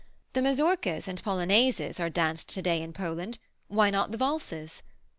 The mazurkas and polonaises are danced to day in Poland, why not the valses?